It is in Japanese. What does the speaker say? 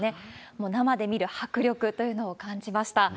もう生で見る迫力というのを感じました。